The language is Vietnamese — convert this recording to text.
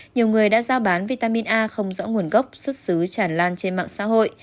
nhiều người đã giao bán vitamin a không rõ nguồn gốc xuất xứ tràn lan trên mạng xã hội